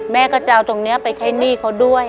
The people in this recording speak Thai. แม่ก็จะเอาตรงนี้ไปใช้หนี้เขาด้วย